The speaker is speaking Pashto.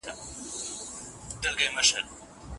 خوږې شپې د نعمتونو یې سوې هیري